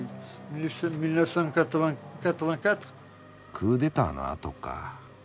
クーデターのあとか。